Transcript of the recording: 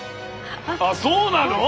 あっそうなの？